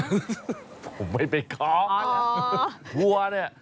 ผมไม่ไปขอวัวเนี่ย